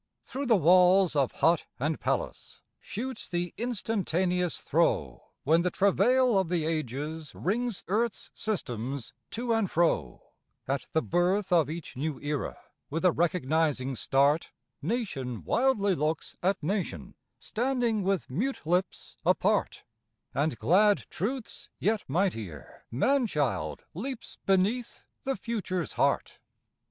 Through the walls of hut and palace shoots the instantaneous throe, When the travail of the Ages wrings earth's systems to and fro; At the birth of each new Era, with a recognizing start, Nation wildly looks at nation, standing with mute lips apart, And glad Truth's yet mightier man child leaps beneath the Future's heart.